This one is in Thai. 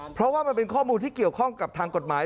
เพราะว่ามันเป็นข้อมูลที่เกี่ยวข้องกับทางกฎหมาย